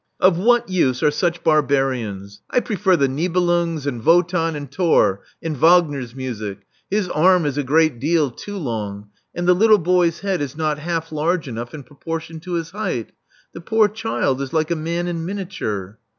Of what use are such barbarians? I prefer the Nibelungs and Wotan and Thor — in Warner's music. His arm is a great deal too long: and the little boy's head is not half large enough in proportion to his height. The poor child is like a man in miniature.